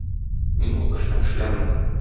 Мин ул эшне эшләрмен.